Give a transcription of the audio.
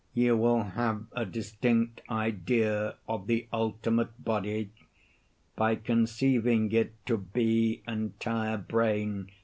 You will have a distinct idea of the ultimate body by conceiving it to be entire brain.